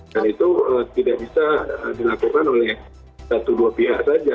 dan itu tidak bisa dilakukan oleh satu dua pihak saja